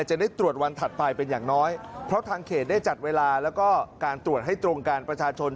จะได้ตรวจวันถัดไปเป็นอย่างน้อยเพราะทางเขตได้จัดเวลาแล้วก็การตรวจให้ตรงกันประชาชน